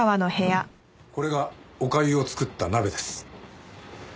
これがお粥を作った鍋です。